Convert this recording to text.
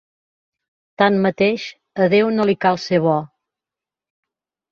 Tanmateix, a Déu no li cal ser "bo".